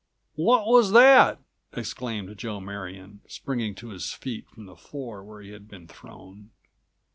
"What was that?" exclaimed Joe Marion, springing to his feet from the floor where he had been thrown.